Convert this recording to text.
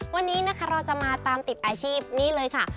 วันนี้นะคะเราจะมาตามติดอาชีพนี่เลยค่ะ